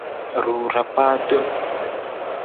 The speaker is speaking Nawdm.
Ruu ra kpaa tom.